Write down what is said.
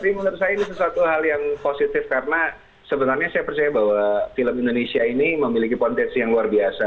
tapi menurut saya ini sesuatu hal yang positif karena sebenarnya saya percaya bahwa film indonesia ini memiliki potensi yang luar biasa